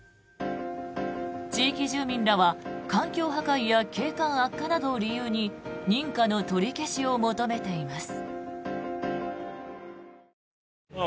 地域住民らは環境破壊や景観悪化などを理由に認可の取り消しを求めています。